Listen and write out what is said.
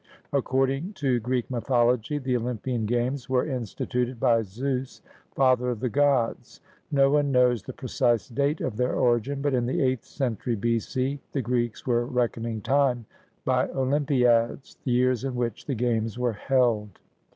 According to Greek mythology the Olympian Games were instituted by Zeus, father of the gods. No one knows the precise date of their origin, but in the eighth century B.C. the Greeks were reckoning time by Oljnnpiads, the years in which the Games were held.